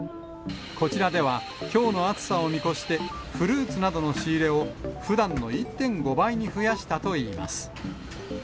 こちらでは、きょうの暑さを見越して、フルーツなどの仕入れをふだんの１．５倍に増やしたといいます。